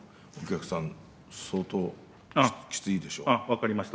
分かりました。